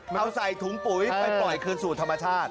เอาใส่ถุงปุ๋ยไปปล่อยคืนสู่ธรรมชาติ